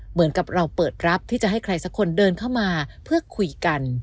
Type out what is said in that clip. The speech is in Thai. เหมือนกับเราเปิดรับที่จะให้ใครสักคนเดินเข้ามาเพื่อคุยกัน